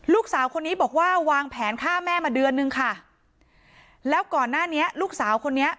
ลูกสาวคนนี้บอกว่าวางแผนฆ่าแม่มาเดือนนึงค่ะแล้วก่อนหน้านี้ลูกสาวคนนี้